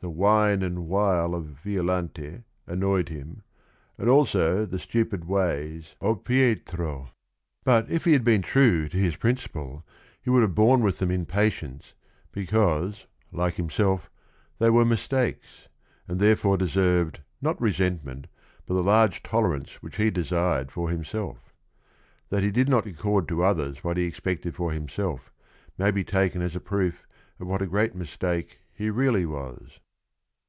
The "whine and wile" of Violante annoyed him and also the stupid ways GUIDO 199 of Pietro. But if he had been true to his prin ciple, he would have borne with them in patience because, like himself, they were mistakes, and therefore deserved not resentment but the large tolerance which he desired for himself. That he did not accord to others what he expected for himself may be taken as a proof of what a great mistake he really was.